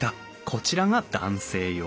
こちらが男性用。